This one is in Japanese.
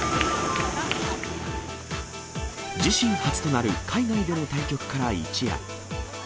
自身初となる海外での対局から一夜。